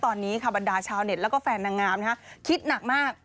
ตอนนี้ค่ะบรรดาชาวเน็ตแล้วก็แฟนนางงามคิดหนักมาก